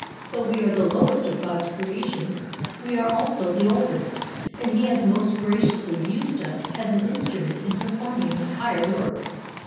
"Though we are the lowest of God's creation, we are also the oldest, and He has most graciously used us as an instrument in performing His higher works.